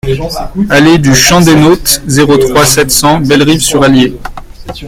Allée du Champ des Nôtes, zéro trois, sept cents Bellerive-sur-Allier